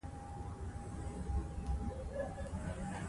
اخلاق د ژوند په هره برخه کې د باور، درناوي او رښتینولۍ سبب ګرځي.